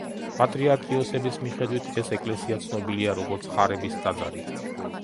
პატრიარქ იოსების მიხედით ეს ეკლესია ცნობილია როგორც ხარების ტაძარი.